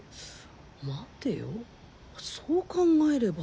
まてよそう考えれば。